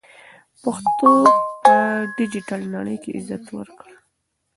پښتو ته په ډیجیټل نړۍ کې عزت ورکړئ.